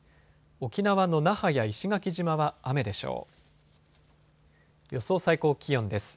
沖縄の那覇や石垣島は雨でしょう。